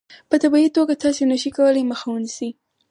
په طبیعي توګه تاسو نشئ کولای مخه ونیسئ.